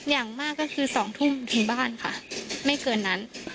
อย่างมากก็คือ๒ทุ่มถึงบ้านค่ะไม่เกินนั้น